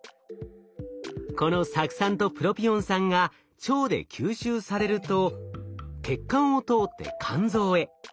この酢酸とプロピオン酸が腸で吸収されると血管を通って肝臓へ。